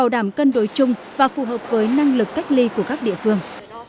nâng lực cách ly của các địa phương